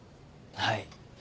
はい。